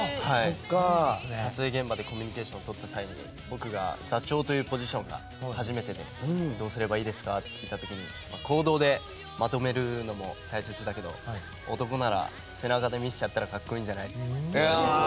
撮影現場でコミュニケーションをとった際に僕が座長というポジションが初めてで、どうすればいいですかって聞いた時に行動でまとめるのも大切だけど男なら背中で見せてやったら格好いいんじゃない？って。